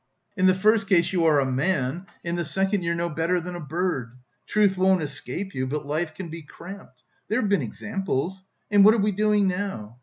In the first case you are a man, in the second you're no better than a bird. Truth won't escape you, but life can be cramped. There have been examples. And what are we doing now?